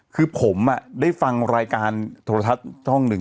คือผมได้ฟังรายการโทรทัศน์ช่องหนึ่ง